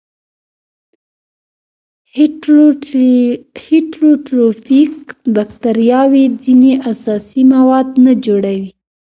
هیټروټروفیک باکتریاوې ځینې اساسي مواد نه جوړوي.